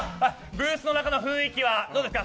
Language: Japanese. ブースの中の雰囲気はどうですか。